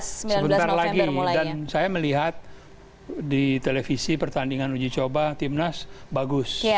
sebentar lagi dan saya melihat di televisi pertandingan uji coba timnas bagus